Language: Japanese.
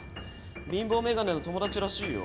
貧乏眼鏡の友達らしいよ。